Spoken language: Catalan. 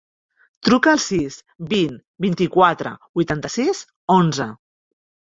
Truca al sis, vint, vint-i-quatre, vuitanta-sis, onze.